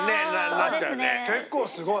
結構すごい。